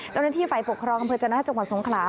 เจ้าหน้าที่ฝ่ายปกครองอำเภอจนะจังหวัดสงขลา